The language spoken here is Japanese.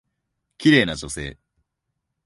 綺麗な女性。